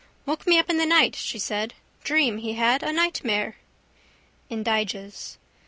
—Woke me up in the night, she said. Dream he had, a nightmare. Indiges.